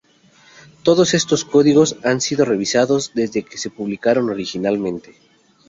Todos estos códigos han sido revisados desde que se publicaron originalmente.